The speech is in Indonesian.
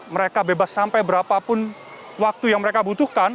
mereka bebas sampai berapapun waktu yang mereka butuhkan